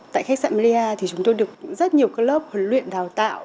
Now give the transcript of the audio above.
tại khách sạn melia thì chúng tôi được rất nhiều lớp huấn luyện đào tạo